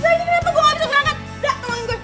zah ini kenapa gue gak bisa gerangkan